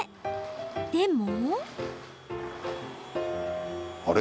でも。